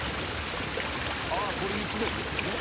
あぁこれ言ってたやつですよね